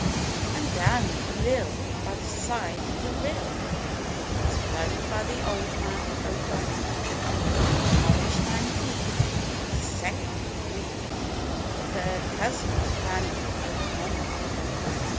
I'm down at the mill, by the side of the rill. That was run by the "Old man" O'Donnell ; An Irishman he, of the second degree— Third cousin to Daniel O'Connell.